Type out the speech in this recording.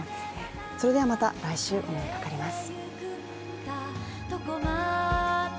それではまた来週、お目にかかります。